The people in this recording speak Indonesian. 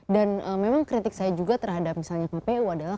memang kritik saya juga terhadap misalnya kpu adalah